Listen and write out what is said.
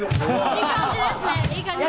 いい感じですね。